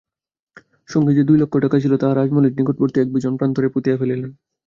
সঙ্গে যে দুই লক্ষ টাকা ছিল তাহা রাজমহলের নিকটবর্তী এক বিজন প্রান্তরে পুঁতিয়া ফেলিলেন।